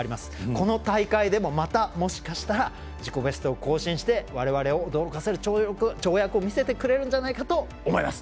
この大会でもまた、もしかしたら自己ベストを更新してわれわれを驚かせる跳躍を見せてくれるんじゃないかと思います。